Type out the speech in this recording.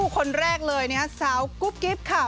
คนแรกเลยนะฮะสาวกุ๊บกิ๊บค่ะ